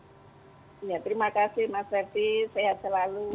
ya terima kasih mas ferdi sehat selalu